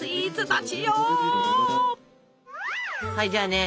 はいじゃあね